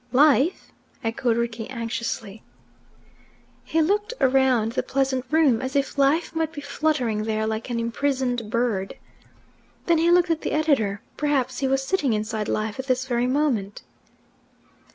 "Life?" echoed Rickie anxiously. He looked round the pleasant room, as if life might be fluttering there like an imprisoned bird. Then he looked at the editor: perhaps he was sitting inside life at this very moment.